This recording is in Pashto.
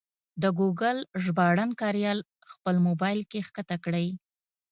د ګوګل ژباړن کریال خپل مبایل کې کښته کړئ.